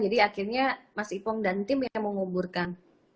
jadi akhirnya mas ipong dan tim yang mau nguburkan